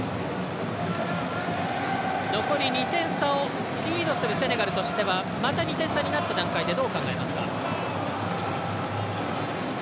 残り２点差をリードするセネガルとしてはまた２点差となった段階でどう考えますか。